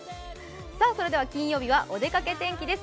それでは金曜日はお出かけ天気です。